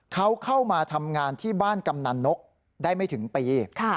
เขาเข้ามาทำงานที่บ้านกำนันนกได้ไม่ถึงปี